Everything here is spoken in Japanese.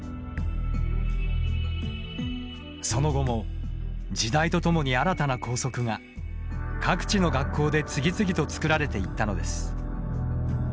その後も時代と共に新たな校則が各地の学校で次々と作られていったのです。